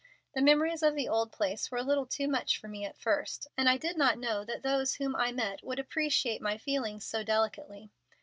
The memories of the old place were a little too much for me at first, and I did not know that those whom I met would appreciate my feelings so delicately."